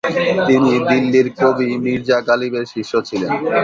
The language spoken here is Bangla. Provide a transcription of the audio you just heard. তিনি দিল্লির কবি মীর্জা গালিবের শিষ্য ছিলেন।